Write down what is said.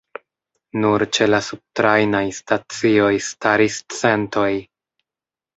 Nur ĉe la subtrajnaj stacioj staris centoj.